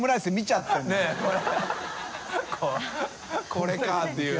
これか」っていう。